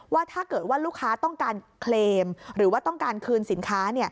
ว่าถ้าเกิดว่าลูกค้าต้องการเคลมหรือว่าต้องการคืนสินค้า